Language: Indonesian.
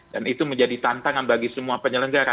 dan itu menjadi tantangan bagi semua penyelenggara